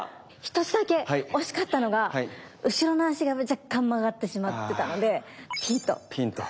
１つだけ惜しかったのが後ろの足が若干曲がってしまってたのでピンと。